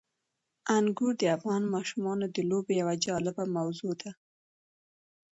انګور د افغان ماشومانو د لوبو یوه جالبه موضوع ده.